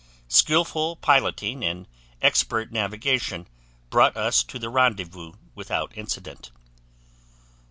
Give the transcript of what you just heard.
Skillful piloting and expert navigation brought us to the rendezvous without incident.